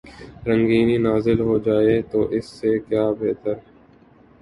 رنگینی نازل ہو جائے تو اس سے کیا بہتر۔